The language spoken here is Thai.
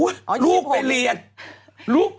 คุณหมอโดนกระช่าคุณหมอโดนกระช่า